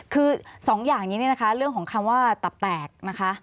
คือ๒อย่างนี้เนี่ยนะคะเรื่องของคำว่าตับแตกนะคะ